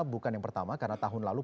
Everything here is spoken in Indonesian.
bukan yang pertama karena tahun lalu